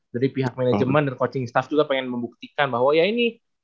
dari pihak manajemen dan coaching staff juga pengen membuktikan bahwa ya ini